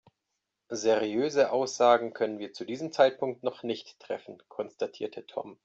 Seriöse Aussagen können wir zu diesem Zeitpunkt noch nicht treffen, konstatierte Tom.